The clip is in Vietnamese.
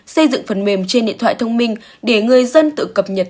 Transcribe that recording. xây dựng phần mềm trên điện thoại thông minh để người dân tự cập nhật